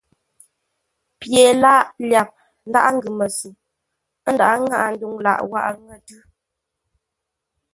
Pye lâʼ lyap ńdághʼ ńgʉ məsəu, ə́ ndaghʼ ŋáʼa ndwuŋ lâʼ wághʼə ńŋə̂ tʉ́.